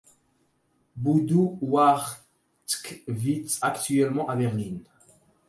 Bodo Wartke vit actuellement à Berlin.